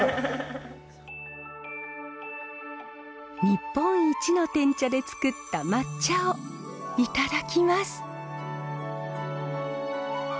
日本一のてん茶で作った抹茶をいただきます。